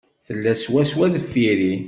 Tella swaswa deffir-i.